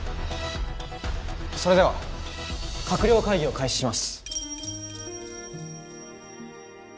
それでは閣僚会議を開始します。